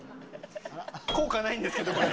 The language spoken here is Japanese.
効果ないんですけど、これ。